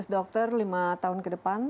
empat ratus dokter lima tahun ke depan